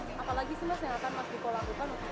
apalagi peser itu mungkin langsung mengurus kewalahan